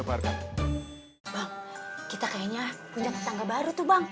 bang kita kayaknya punya tetangga baru tuh bang